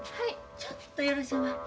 ちょっとよろしおまっか？